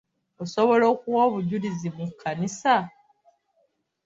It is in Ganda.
Osobola okuwa obujulizi mu kkanisa?